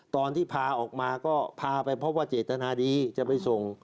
ตอนที่พาออกมาก็พาไปพบว่าเจตนาดีจะไปส่ง